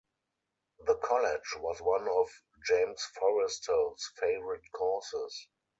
The college was one of James Forrestal's favorite causes.